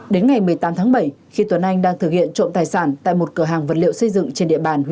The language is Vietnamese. đến ngày một mươi tám tháng bảy khi tuấn anh đang thực hiện truyền thông tin